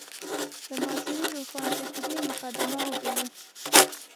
د معاصرې روښانفکرۍ مقدمه وبولو.